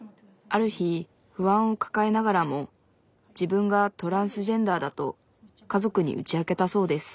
ある日不安を抱えながらも自分がトランスジェンダーだと家族に打ち明けたそうです。